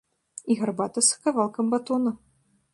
І гарбата з кавалкам батона.